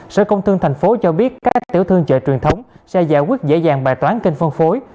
sở công thương tp hcm cho biết các tiểu thương chợ truyền thống sẽ giải quyết dễ dàng bài toán kênh phân phối